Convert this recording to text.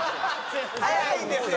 早いんですよ